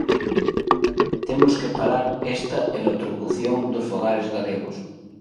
Temos que parar esta electrocución dos fogares galegos.